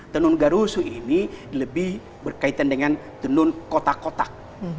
tenun garusu ini lebih berkaitan dengan tenun kotak kotak